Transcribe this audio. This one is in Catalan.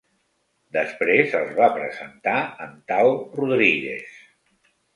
Després els va presentar en Tao Rodríguez.